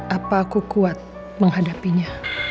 apa aku kuat menghadapinya